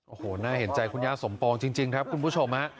โอ้โหน่าเห็นใจคุณย่าสมปองจริงครับคุณผู้ชมฮะ